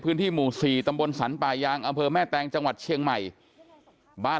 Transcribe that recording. พื้นที่หมู่๔ตำบลสรรป่ายางอำเภอแม่แตงจังหวัดเชียงใหม่บ้าน